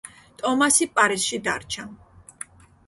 ტომასი პარიზში დარჩა.